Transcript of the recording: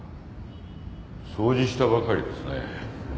掃除したばかりですね。